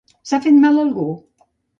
S'ha fet mal algú?